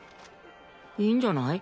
いいんじゃない？